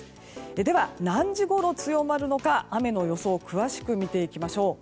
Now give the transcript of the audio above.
では何時ごろ強まるのか雨の予想を詳しく見てみましょう。